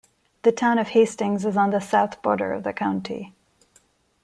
The Town of Hastings is on the south border of the county.